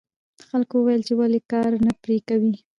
خلکو وویل چې ولې کار نه پرې کوې.